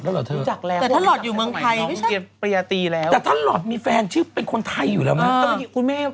ไปตอนไปถ่ายละครที่อังกฤษก็ไปเจอไงคุณแม่